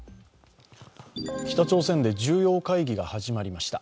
北朝鮮で重要会議が始まりました。